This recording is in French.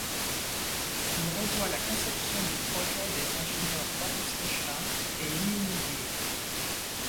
Il revoit la conception du projet des ingénieurs Maurice Koechlin et Émile Nouguier.